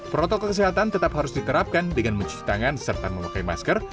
protokol kesehatan tetap harus diterapkan dengan mencuci tangan serta memakai masker